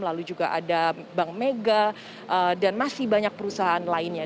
lalu juga ada bank mega dan masih banyak perusahaan lainnya